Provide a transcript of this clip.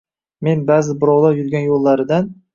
Men ba’zi birovlar yurgan yo‘llaridan